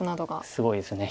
すごいです。